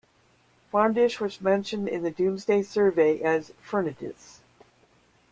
Farndish was mentioned in the Domesday Survey as 'Fernadis'.